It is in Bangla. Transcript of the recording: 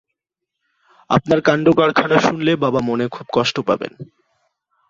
আপনার কাণ্ডকারখানা শুনলে বাবা মনে খুব কষ্ট পাবেন!